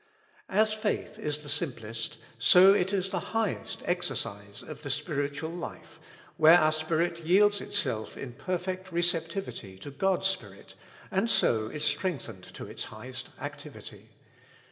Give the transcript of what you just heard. As faith is the simplest, so it is the highest exercise of the spiritual life, where our spirit yields itself in perfect receptivity to God's Spirit, and so is strength ened to its highest activity.